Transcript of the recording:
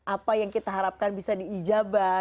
apa yang kita harapkan bisa diijabah